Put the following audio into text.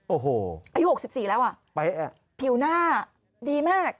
โอ้โหไปอ่ะอายุ๖๔แล้วผิวหน้าดีมาก